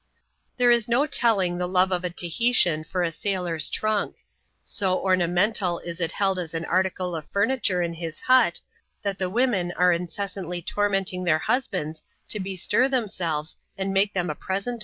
There is no telling the love of a Tahitian for a sulor^s trunk. So ornamental is it held as an article of furniture in his hut, that the women are incessantly tormenting their husbands to bestir themsdve^^ and make them a preaeiit.